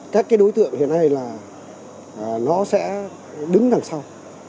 các đối tượng hiện nay là nó sẽ đứng đằng sau